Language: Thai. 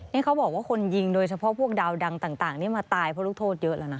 นี่เขาบอกว่าคนยิงโดยเฉพาะพวกดาวดังต่างนี่มาตายเพราะลูกโทษเยอะแล้วนะ